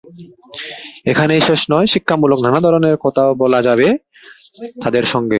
এখানেই শেষ নয়, শিক্ষামূলক নানা ধরনের কথাও বলা যাবে তাদের সঙ্গে।